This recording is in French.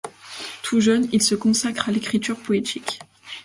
Tout jeune, il se consacre à l’écriture poétique.